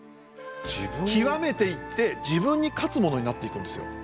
極めていって自分に勝つものになっていくんですよ。